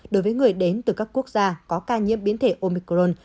đối với người đến từ các quốc gia có ca nhiễm biến thể omicron